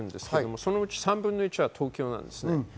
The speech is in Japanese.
そのうち３分の１は東京です。